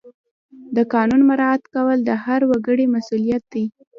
د قانون مراعات کول د هر وګړي مسؤلیت دی.